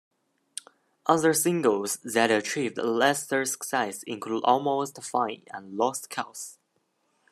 Other singles that achieved lesser success include "Almost Fine" and "Lost Cause".